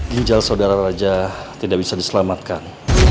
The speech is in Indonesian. ginjal saudara raja tidak bisa diselamatkan